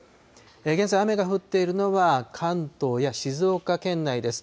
現在、雨が降っているのは、関東や静岡県内です。